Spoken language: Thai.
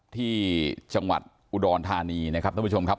ที่จังหวัดอุดรธานีนะครับท่านผู้ชมครับ